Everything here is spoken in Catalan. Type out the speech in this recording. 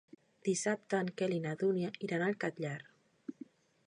Dissabte en Quel i na Dúnia iran al Catllar.